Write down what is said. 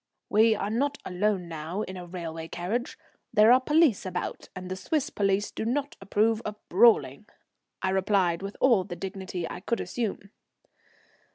"We are not alone now in a railway carriage. There are police about, and the Swiss police do not approve of brawling," I replied, with all the dignity I could assume.